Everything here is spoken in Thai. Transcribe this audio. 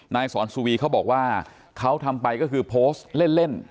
นายสอนสุวีเขาบอกว่าเขาทำไปก็คือโพสต์เล่น